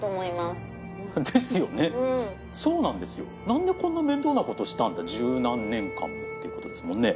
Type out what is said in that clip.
何でこんな面倒なことしたんだ十何年間もってことですもんね。